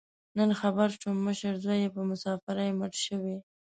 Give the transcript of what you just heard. نن خبر شوم، مشر زوی یې په مسافرۍ مړ شوی.